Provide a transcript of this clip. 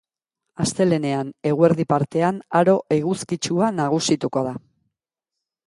Astelehenean, eguerdi partean aro eguzkitsua nagusituko da.